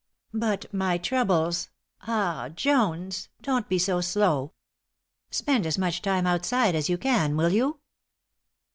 But my troubles ah Jones! Don't be so slow! Spend as much time outside as you can, will you?"